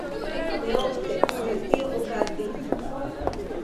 Ne ofte, sed tio okazis.